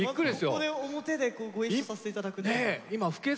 ここで表でご一緒させていただくって。